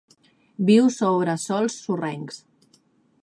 Viu sobre sòls sorrencs.